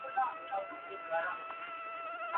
که انټرنېټي ټولګي فعال وي، زده کوونکي بې برخې نه پاته کيږي.